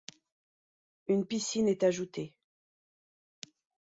Une piscine est ajoutée.